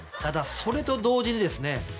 ただそれと同時にですね